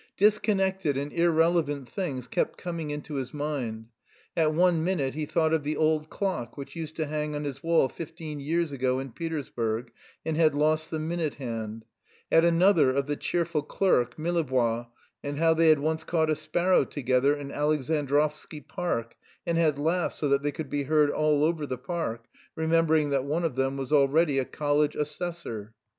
Disconnected and irrelevant things kept coming into his mind: at one minute he thought of the old clock which used to hang on his wall fifteen years ago in Petersburg and had lost the minute hand; at another of the cheerful clerk, Millebois, and how they had once caught a sparrow together in Alexandrovsky Park and had laughed so that they could be heard all over the park, remembering that one of them was already a college assessor.